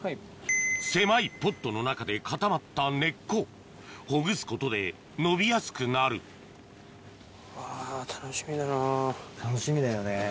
狭いポットの中で固まった根っこほぐすことで伸びやすくなる楽しみだよね。